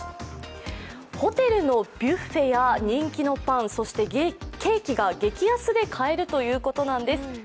ホテルのビュッフェや、人気のパンそしてケーキが激安で買えるということなんです。